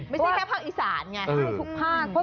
ไม่ใช่แค่ภาคอีสานไงทุกภาค